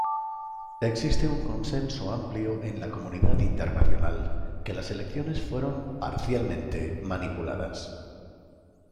Existe un consenso amplio en la comunidad internacional que las elecciones fueron "parcialmente" manipuladas.